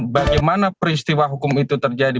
bagaimana peristiwa hukum itu terjadi